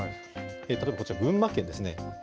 例えば、こちら、群馬県ですね。